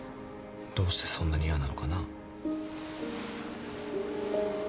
どうしてそんなに嫌なのかな？